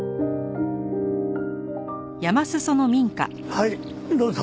はいどうぞ。